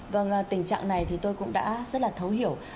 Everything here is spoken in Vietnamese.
vâng tình trạng này thì tôi cũng đã rất là thấu hiểu